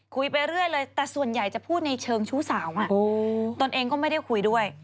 คุยไปเรื่อยเลยแต่ส่วนใหญ่จะพูดในเชิงชู้สาวตนเองก็ไม่ได้คุยด้วย